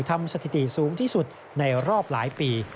สถิติสูงที่สุดในรอบหลายปี